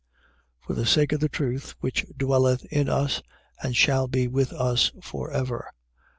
For the sake of the truth which dwelleth in us and shall be with us for ever.